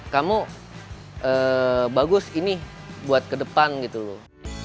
kamu bagus ini buat ke depan gitu loh